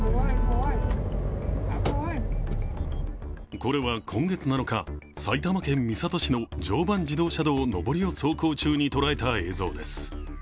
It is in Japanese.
これは今月７日、埼玉県三郷市の常磐自動車道上りを走行中に捉えた映像です。